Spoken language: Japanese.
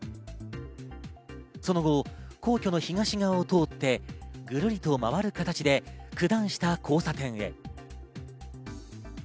その後、皇居の東側を通って、ぐるりと回る形で九段下交差点へ。